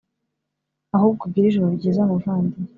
ahubwo ugire ijoro ryiza muvandi